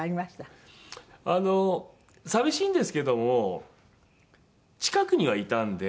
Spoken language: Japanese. あの寂しいんですけども近くにはいたんで。